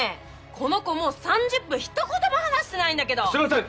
この子もう３０分一言も話してないんだけどすいません！